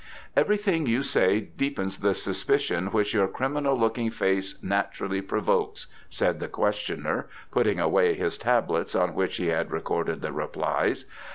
"Everything you say deepens the suspicion which your criminal looking face naturally provokes," said the questioner, putting away his tablets on which he had recorded the replies.